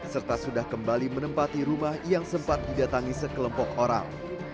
serta sudah kembali menempati rumah yang sempat didatangi sekelompok orang